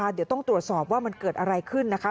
เดี๋ยวต้องตรวจสอบว่ามันเกิดอะไรขึ้นนะคะ